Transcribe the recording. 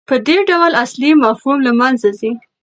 په دې ډول اصلي مفهوم له منځه ځي.